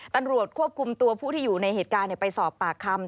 ตัวตัวผู้ที่อยู่ในเหตุการณ์ไปสอบปากคำ